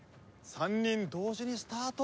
３人同時にスタート。